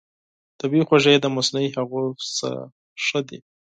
طبیعي خوږې د مصنوعي هغو څخه ښه دي.